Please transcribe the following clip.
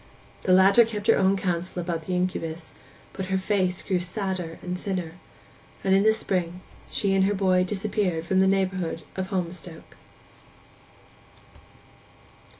The latter kept her own counsel about the incubus, but her face grew sadder and thinner; and in the spring she and her boy disappeared from the neighbourhood of Holmstoke.